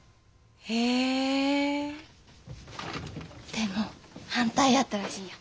でも反対やったらしいんや。